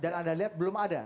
dan anda lihat belum ada